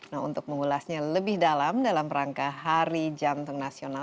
nah untuk mengulasnya lebih dalam dalam rangka hari jantung nasional